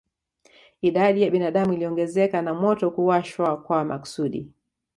Idadi ya binadamu iliongezeka na moto kuwashwa kwa makusudi